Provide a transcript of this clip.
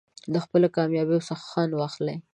د خپلو کامیابیو څخه خوند واخلئ.